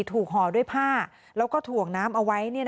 ห่อด้วยผ้าแล้วก็ถ่วงน้ำเอาไว้